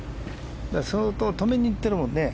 相当止めにいってるもんね。